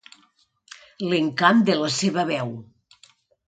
L'encant de la seva veu.